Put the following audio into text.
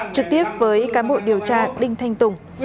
trực tiếp với cán bộ điều tra đinh thanh tùng